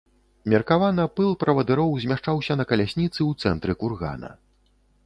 Меркавана, пыл правадыроў змяшчаўся на калясніцы ў цэнтры кургана.